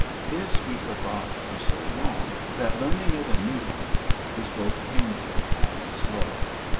This we forgot for so long that learning it anew is both painful and slow.